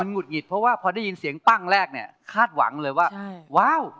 หุดหงิดเพราะว่าพอได้ยินเสียงปั้งแรกเนี่ยคาดหวังเลยว่าว้าว